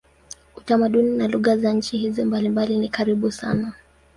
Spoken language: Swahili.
Utamaduni na lugha za nchi hizi mbili ni karibu sana.